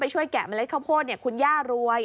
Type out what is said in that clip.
ช่วยแกะเมล็ดข้าวโพดคุณย่ารวย